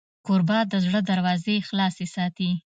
کوربه د زړه دروازې خلاصې ساتي.